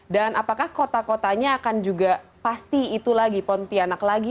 dan apakah kota kotanya akan juga pasti itu lagi pontianak lagi